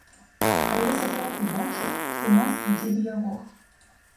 Але я сапраўды бачу, што ў нас ідзе дыялог.